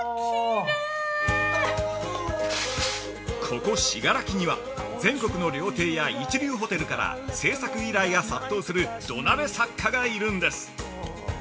◆ここ信楽には全国の料亭や一流ホテルから製作依頼が殺到する土鍋作家がいるんです。